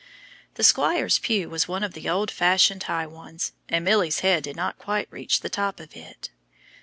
The squire's pew was one of the old fashioned high ones, and Milly's head did not reach the top of it.